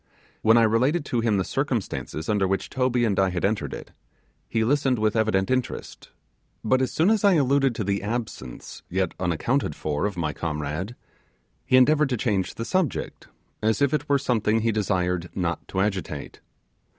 When I related to him the circumstances under which Toby and I had entered it, he listened with evident interest; but as soon as I alluded to the absence, yet unaccounted for, of my comrade, he endeavoured to change the subject, as if it were something he desired not to agitate.